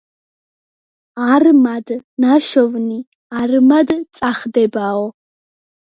არმად ნაშოვნი - არმად წახდებაო.